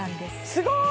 すごい！